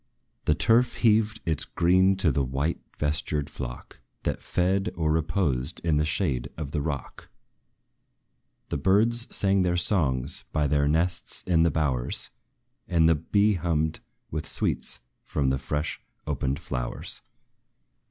The turf heaved its green to the white vestured flock, That fed, or reposed in the shade of the rock; The birds sang their songs by their nests in the bowers; And the bee hummed with sweets from the fresh opened flowers.